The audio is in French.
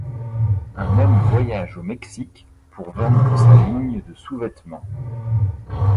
Un homme voyage au Mexique pour vendre sa ligne de sous-vêtements.